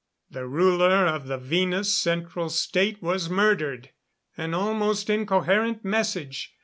The ruler of the Venus Central State was murdered! An almost incoherent message.